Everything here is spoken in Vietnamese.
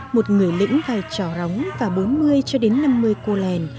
một người lĩnh vài trò róng và bốn mươi năm mươi cô lèn